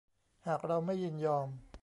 หากเราไม่ยินยอม